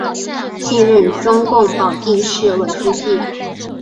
现任中共保定市委书记。